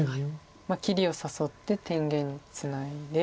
切りを誘って天元ツナいで。